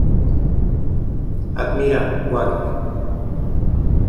Admira Wacker.